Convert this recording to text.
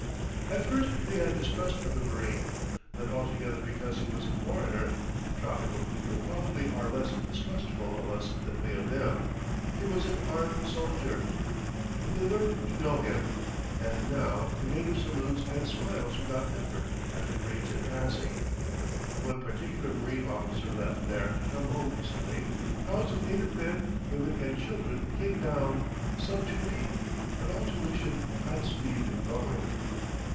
At first they had distrust of the marine; not altogether because he was a foreigner (the tropical people probably are less distrustful of us than we of them) he was an armed soldier. But they learned to know him, and now the native salutes and smiles without effort at the marine in passing. When one particular marine officer left there to come home recently, crowds of native men, women, and children came down, some to weep, but all to wish him Godspeed in going.